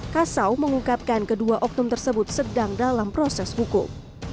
kasau mengungkapkan kedua oknum tersebut sedang dalam proses hukum